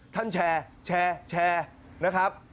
ท่านแชร์แชร์แชร์นะครับ